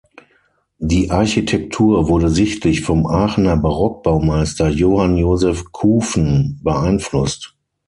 Die Architektur wurde sichtlich vom Aachener Barock-Baumeister Johann Joseph Couven beeinflusst.